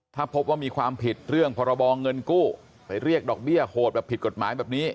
ถ้าพบว่ามีความผิดเรื่องพรบเงินกู้ไปเรียกดอกเบี้ยโหดแบบผิดกฎหมายแบบนี้